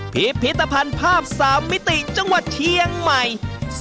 พิพิธภัณฑ์ภาพ๓มิติจังหวัดเชียงใหม่